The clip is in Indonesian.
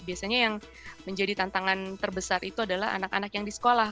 biasanya yang menjadi tantangan terbesar itu adalah anak anak yang di sekolah